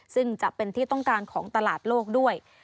ซึ่งจะเป็นที่ต้องการของตลาดโลกด้วย